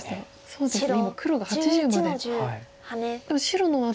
そうですね。